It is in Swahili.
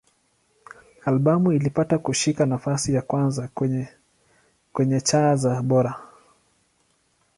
Albamu ilipata kushika nafasi ya kwanza kwenye cha za Bora.